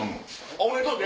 おめでとう！って？